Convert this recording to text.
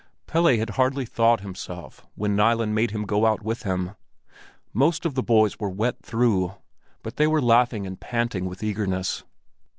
Pelle had hardly thawed himself when Nilen made him go out with him. Most of the boys were wet through, but they were laughing and panting with eagerness.